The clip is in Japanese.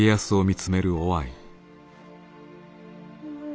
うん。